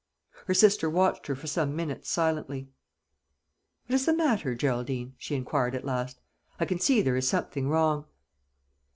Her sister watched her for some minutes silently. "What is the matter, Geraldine?" she inquired at last. "I can see there is something wrong."